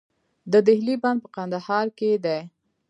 د دهلې بند په کندهار کې دی